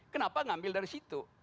kenapa ngambil dari situ